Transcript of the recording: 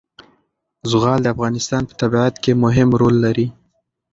زغال د افغانستان په طبیعت کې مهم رول لري.